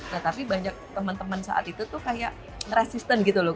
nah tapi banyak teman teman saat itu tuh kayak nge resisten gitu loh